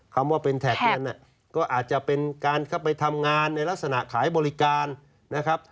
คำว่าเป็นแท็กเงินก็อาจจะเป็นการเข้าไปทำงานในลักษณะขายบริการนะครับ